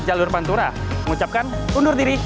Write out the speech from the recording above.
jalur pantura mengucapkan undur diri